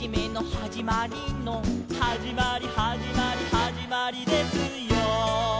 「はじまりはじまりはじまりですよ」